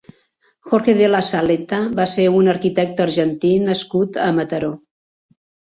Jorge de Lassaletta va ser un arquitecte argentí nascut a Mataró.